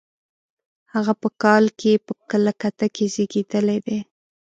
هغه په کال کې په کلکته کې زېږېدلی دی.